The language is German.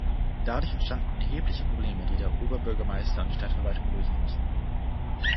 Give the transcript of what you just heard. Dadurch entstanden erhebliche Probleme, die der Oberbürgermeister und die Stadtverwaltung lösen mussten.